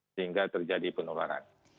sehingga terjadi penularan